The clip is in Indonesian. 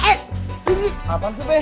eh apaan sih be